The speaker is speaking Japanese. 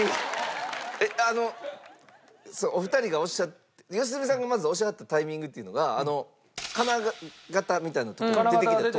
あのお二人がおっしゃった良純さんがまずおっしゃったタイミングっていうのが金型みたいな出てきたとこやったんですね。